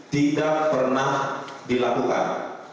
tidak pernah dilakukan